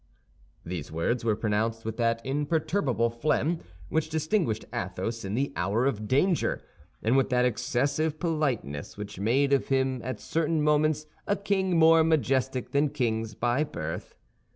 These words were pronounced with that imperturbable phlegm which distinguished Athos in the hour of danger, and with that excessive politeness which made of him at certain moments a king more majestic than kings by birth.